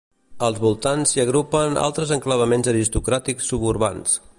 Als voltants s'hi agrupen altres enclavaments aristocràtics suburbans.